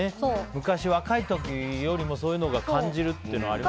昔、若い時よりもそういうのを感じるっていうことありますよね。